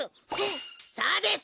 そうです！